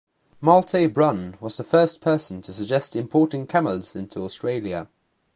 Malte-Brun was the first person to suggest importing camels into Australia.